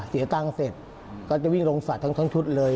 เสียตังค์เสร็จก็จะวิ่งลงสระทั้งชุดเลย